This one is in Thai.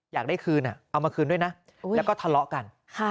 อยากได้คืนเอามาคืนด้วยนะแล้วก็ทะเลาะกัน